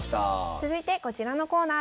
続いてこちらのコーナーです。